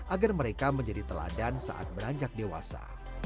agar mereka menjadi teladan saat beranjak dewasa